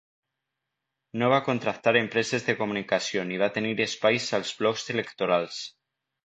No va contractar empreses de comunicació ni va tenir espais als blocs electorals.